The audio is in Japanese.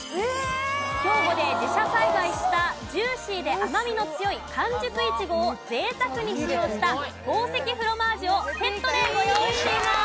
兵庫で自社栽培したジューシーで甘みの強い完熟いちごを贅沢に使用した宝石フロマージュをセットでご用意しています。